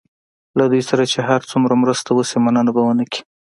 له دوی سره چې هر څومره مرسته وشي مننه به ونه کړي.